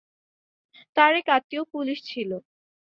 তাঁর এক আত্নীয় পুলিশ ছিল।